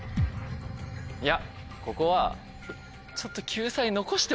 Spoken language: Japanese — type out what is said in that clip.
いやここはちょっと。